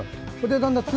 だんだん２